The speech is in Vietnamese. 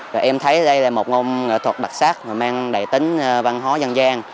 và em thấy đây là một môn nghệ thuật đặc sắc mang đầy tính văn hóa dân gian